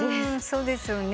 そうですよね。